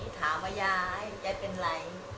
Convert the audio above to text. ถามว่ายายยายเป็นไร